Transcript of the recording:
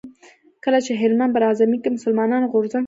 کله چې هند براعظمګي کې مسلمانانو غورځنګ پيل کړ